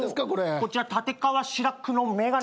こちら立川志らくの眼鏡です。